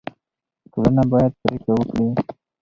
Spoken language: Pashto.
ټولنه باید پرېکړه وکړي.